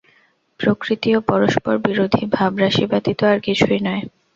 প্রকৃতিও পরস্পর-বিরোধী ভাবরাশি ব্যতীত আর কিছুই নয়।